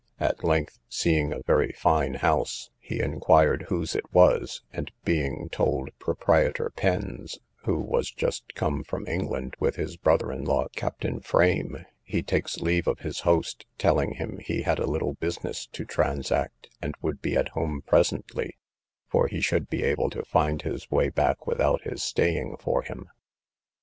At length, seeing a very fine house, he inquired whose it was; and being told Proprietor Penn's, who was just come from England with his brother in law, Captain Frame, he takes leave of his host, telling him he had a little business to transact, and would be at home presently, for he should be able to find his way back without his staying for him.